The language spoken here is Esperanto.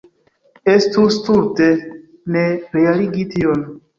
Estus stulte ne realigi tion.